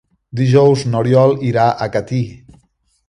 Dijous n'Oriol irà a Catí.